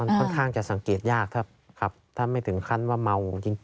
ค่อนข้างจะสังเกตยากถ้าขับถ้าไม่ถึงขั้นว่าเมาจริง